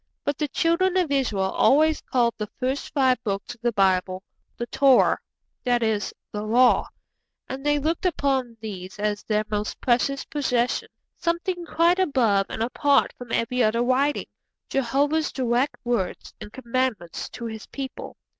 But the Children of Israel always called the first five books of the Bible 'The Torah'; that is, 'The Law'; and they looked upon these as their most precious possession, something quite above and apart from every other writing Jehovah's direct words and commandments to His people.